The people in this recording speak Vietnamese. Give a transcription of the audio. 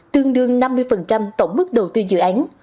tương đương năm mươi tổng mức đầu tư dự án